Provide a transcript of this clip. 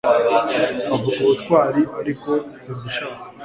bavuga ubutwari ariko simbishaka